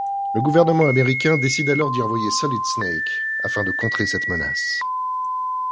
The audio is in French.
Le gouvernement américain décide alors d'y envoyer Solid Snake, afin de contrer cette menace.